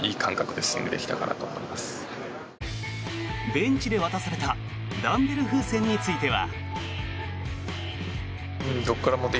ベンチで渡されたダンベル風船については。